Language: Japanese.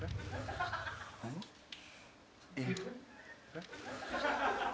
えっ？